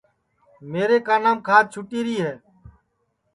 میرے کانام کھاج چھُوٹِیری ہے